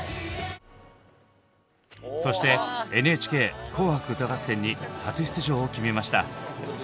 そしてＮＨＫ「紅白歌合戦」に初出場を決めました。